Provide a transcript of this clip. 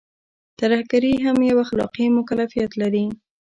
ترهګري هم يو اخلاقي مکلفيت لري.